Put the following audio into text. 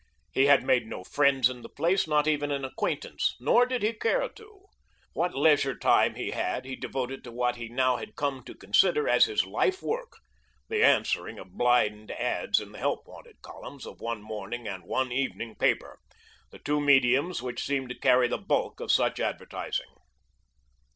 He had made no friends in the place, not even an acquaintance, nor did he care to. What leisure time he had he devoted to what he now had come to consider as his life work the answering of blind ads in the Help Wanted columns of one morning and one evening paper the two mediums which seemed to carry the bulk of such advertising.